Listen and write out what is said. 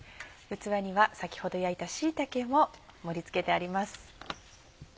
器には先ほど焼いた椎茸も盛り付けてあります。